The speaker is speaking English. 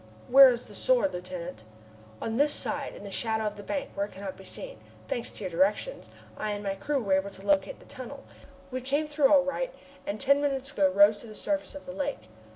"Where is the Sword, Lieutenant?" "On this side, in the shadow of the bank, where it cannot be seen. Thanks to your directions, I and my crew were able to locate the tunnel. We came through all right, and ten minutes ago rose to the surface of the lake.